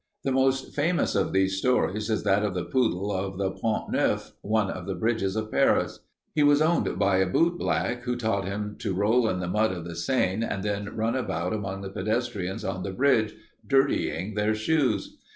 "The most famous of these stories is that of the poodle of the Pont Neuf, one of the bridges of Paris. He was owned by a bootblack, who taught him to roll in the mud of the Seine and then run about among the pedestrians on the bridge, dirtying their shoes.